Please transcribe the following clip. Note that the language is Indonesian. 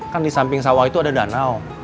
kan di samping sawah itu ada danau